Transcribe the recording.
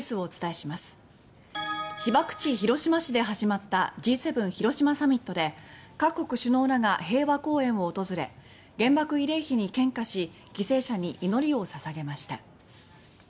被爆地・広島市で始まったＧ７広島サミットで各国首脳らが平和公園を訪れ原爆慰霊碑に献花し犠牲者に祈りを捧げました。